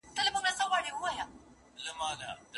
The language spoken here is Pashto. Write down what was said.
ملنګه ! کوم يوسف ته دې ليدلی خوب بيان کړ؟